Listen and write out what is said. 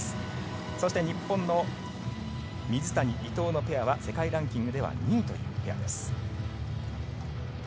そして日本の水谷・伊藤のペアは世界ランキングでは２位です。